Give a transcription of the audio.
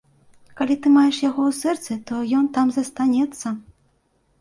Калі ты маеш яго ў сэрцы, то ён там застанецца.